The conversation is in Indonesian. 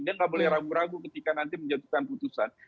dia tidak boleh ragu ragu ketika nanti menjatuhkan keputusan